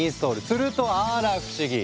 するとあら不思議！